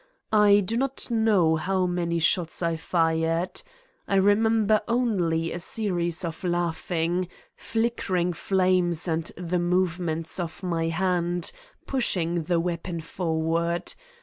I do not know how many shots I fired. I remember only a series of laugh ing, flickering flames and the movements of nrtf hand, pushing the weapon forward.